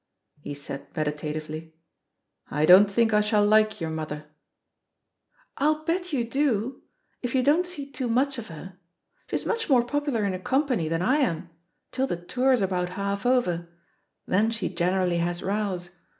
He said meditatively, "I don't think I shall like your mother." "I'll bet you do 1 — ^if you don't see too much of her. She's much more popular in a company than THE POSITION OF PEGGY HARPER 91 T am — ^till the tour's about half over. Then she generally has rows.